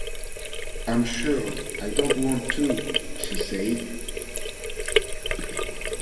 “I’m sure I don’t want to,” she said.